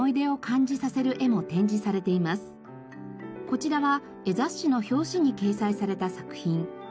こちらは絵雑誌の表紙に掲載された作品。